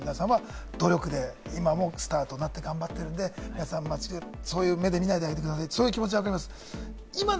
皆さん努力で今スターとなって頑張っているんで、皆さん、そういう目で見ないでくださいというのはわかります。